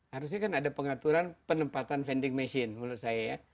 harusnya kan ada pengaturan penempatan vending machine menurut saya ya